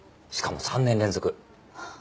しかも３年連続。